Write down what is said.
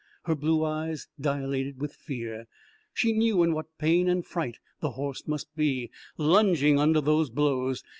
Her blue eyes dilated with fear; she knew in what pain and fright the horse must be lunging under those blows.